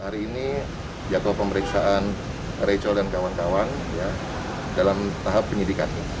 hari ini jadwal pemeriksaan rachel dan kawan kawan dalam tahap penyidikan